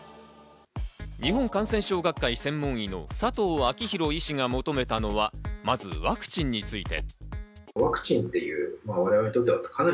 日本感染症学会専門医の佐藤昭裕医師が求めたのは、まずワクチンについて。